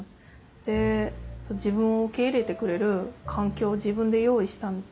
で自分を受け入れてくれる環境を自分で用意したんです。